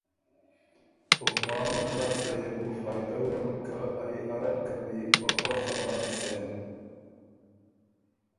او پا موقع لاسته يې بو فائدۀ ورم که ائ اره قمی په پۀ خبر سېن